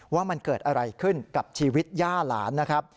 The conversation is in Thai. ว่ามันเกิดอะไรขึ้นกับชีวิตย่าหลานนะครับ